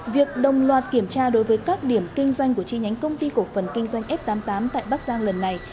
việc đồng loạt kiểm tra đối với các điểm kinh doanh của chi nhánh công ty cổ phần kinh doanh f tám mươi tám tại bắc giang lần này